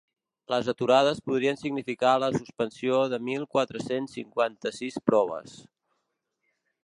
Les aturades podrien significar la suspensió de mil quatre-cents cinquanta-sis proves.